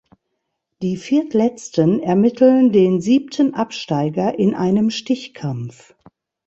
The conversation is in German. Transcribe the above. Die Viertletzten ermitteln den siebten Absteiger in einem Stichkampf.